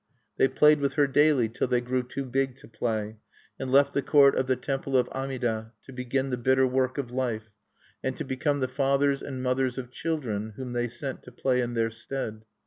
They played with her daily till they grew too big to play, and left the court of the temple of Amida to begin the bitter work of life, and to become the fathers and mothers of children whom they sent to play in their stead.